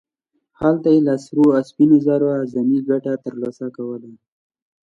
هلته یې له سرو او سپینو زرو عظیمه ګټه ترلاسه کوله.